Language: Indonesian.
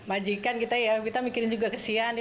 saya juga sebagai majikan kita ya kita mikirin juga kesian ya